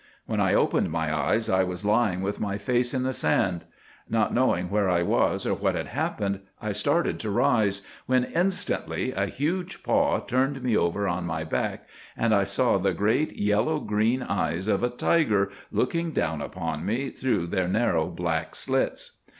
When I opened my eyes I was lying with my face in the sand. Not knowing where I was or what had happened, I started to rise, when instantly a huge paw turned me over on my back, and I saw the great yellow green eyes of a tiger looking down upon me through their narrow black slits.